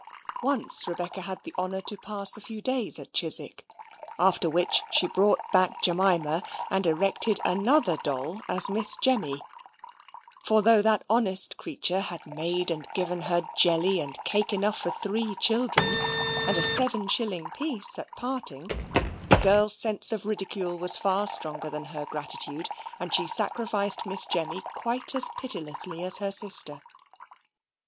Once Rebecca had the honour to pass a few days at Chiswick; after which she brought back Jemima, and erected another doll as Miss Jemmy: for though that honest creature had made and given her jelly and cake enough for three children, and a seven shilling piece at parting, the girl's sense of ridicule was far stronger than her gratitude, and she sacrificed Miss Jemmy quite as pitilessly as her sister.